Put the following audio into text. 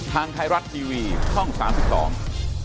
ทางไทยรัฐทีวีช่องสามสิบสอง